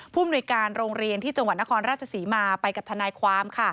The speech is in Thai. มนุยการโรงเรียนที่จังหวัดนครราชศรีมาไปกับทนายความ